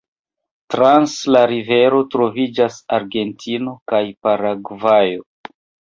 Trans la rivero troviĝas Argentino kaj Paragvajo.